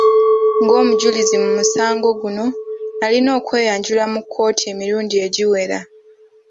Ng'omujulizi mu musango guno, nalina okweyanjulanga mu kkooti emirundi egiwera.